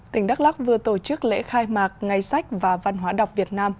tỉnh đắk lắc vừa tổ chức lễ khai mạc ngày sách và văn hóa đọc việt nam